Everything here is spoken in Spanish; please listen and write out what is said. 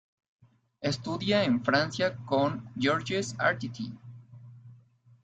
Estudia en Francia con Georges Arditi.